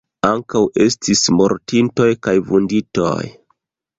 Ankaŭ estis mortintoj kaj vunditoj.